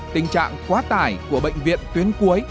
điều quá tài của bệnh viện tuyến cuối